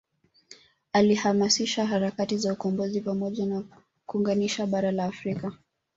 Alihamasisha harakati za ukombozi pamoja na kuunganisha bara la Afrika